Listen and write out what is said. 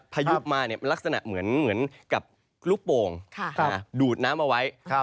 พายุมาเนี่ยมันลักษณะเหมือนเหมือนกับลูกโป่งครับดูดน้ำเอาไว้ครับ